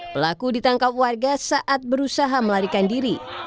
pelaku ditangkap warga saat berusaha melarikan diri